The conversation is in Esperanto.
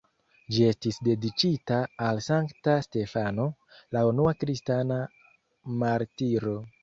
Ĝi estis dediĉita al Sankta Stefano, la unua kristana martiro.